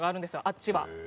あっちは。